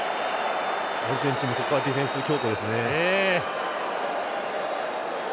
アルゼンチンもここはディフェンス強固ですね。